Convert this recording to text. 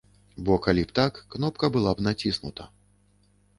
Бо калі б так, кнопка была б націснута.